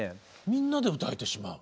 みんなで歌えてしまう。